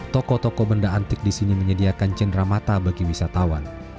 toko toko benda antik di sini menyediakan cendera mata bagi wisatawan